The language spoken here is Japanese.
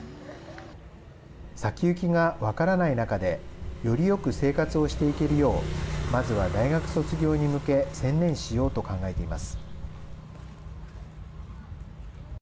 先行きが分からない中でよりよく生活をしていけるようまずは、大学卒業に向け専念しようと考えています。